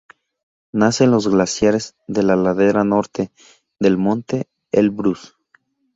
Nace en los glaciares de la ladera norte del monte Elbrús.